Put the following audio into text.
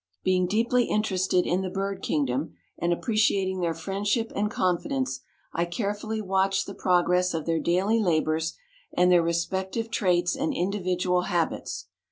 Being deeply interested in the bird kingdom, and appreciating their friendship and confidence, I carefully watched the progress of their daily labors and their respective traits and individual habits.